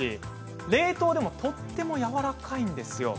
冷凍でもとてもやわらかいんですよ。